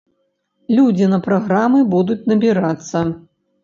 Людзі на праграмы будуць набірацца.